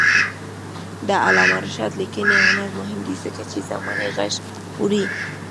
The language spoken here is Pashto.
د علامه رشاد لیکنی هنر مهم دی ځکه چې زمانې غږ اوري.